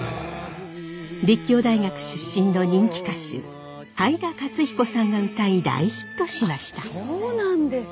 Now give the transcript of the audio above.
立教大学出身の人気歌手灰田勝彦さんが歌い大ヒットしました。